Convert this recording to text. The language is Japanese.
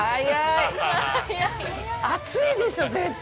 熱いでしょう、絶対。